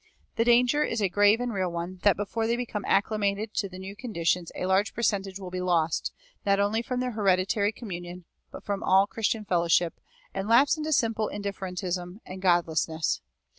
The danger is a grave and real one that before they become acclimated to the new conditions a large percentage will be lost, not only from their hereditary communion, but from all Christian fellowship, and lapse into simple indifferentism and godlessness.